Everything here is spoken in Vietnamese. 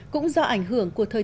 cũng do ảnh hưởng của tỉnh bắc bộ